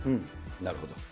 なるほど。